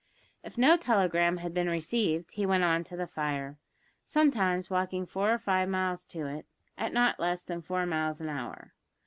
If no telegram had been received, he went on to the fire; sometimes walking four or five miles to it, "at not less than four miles an hour."